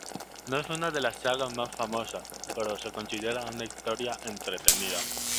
No es una de las sagas más famosas, pero se considera una historia entretenida.